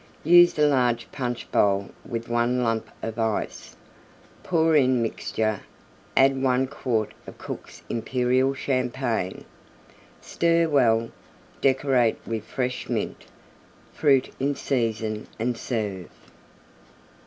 Use a large Punch bowl with one Lump of Ice. Pour in mixture; add one quart of Cook's Imperial Champagne. Stir well; decorate with fresh Mint, Fruit in season, and serve.